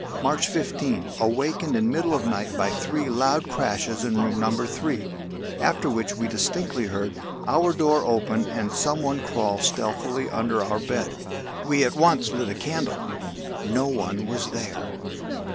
"March 15. Awakened in middle of night by three loud crashes in room No. 3, after which we distinctly heard our door open and some one crawl stealthily under our bed. "We at once lit a candle no one was there.